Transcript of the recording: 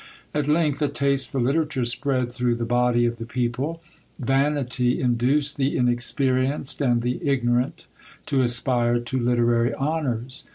At length, a taste for literature spread through the body of the people; vanity induced the inexperienced and the ignorant to aspire to literary honours.